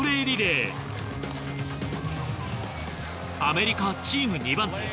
アメリカチーム２番手。